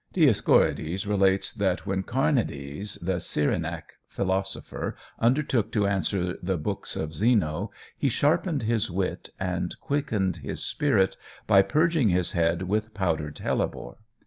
Dioscorides relates that when Carneades, the Cyrenaic philosopher, undertook to answer the books of Zeno, he sharpened his wit and quickened his spirit by purging his head with powdered hellebore.